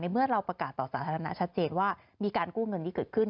เมื่อเราประกาศต่อสาธารณะชัดเจนว่ามีการกู้เงินที่เกิดขึ้น